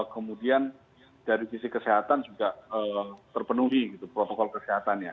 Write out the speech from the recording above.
kemudian dari visi kesehatan juga terpenuhi protokol kesehatan ya